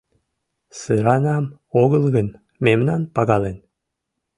Сыранам огыл гын, мемнам пагален